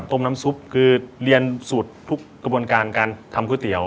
น้ำซุปคือเรียนสูตรทุกกระบวนการการทำก๋วยเตี๋ย